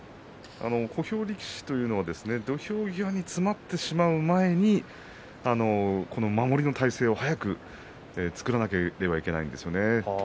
小兵力士は土俵で詰まってしまう前に守りの体勢を早く作らなければいけないですね